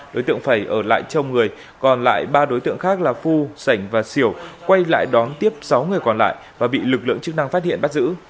đối tượng phải ở lại trong người còn lại ba đối tượng khác là phu sảnh và xỉu quay lại đón tiếp sáu người còn lại và bị lực lượng chức năng phát hiện bắt giữ